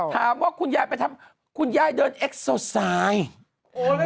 ถามว่าคุณยายไปทำคุณยายเดินเอกซอสไซน์